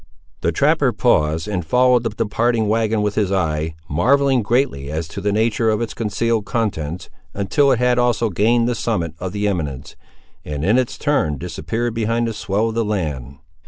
The trapper paused, and followed the departing wagon with his eye, marvelling greatly as to the nature of its concealed contents, until it had also gained the summit of the eminence, and in its turn disappeared behind the swell of the land.